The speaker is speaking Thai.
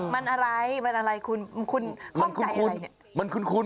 มันอะไรคุณค่องใจอะไรเนี่ย